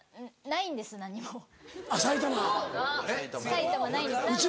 埼玉ないんです。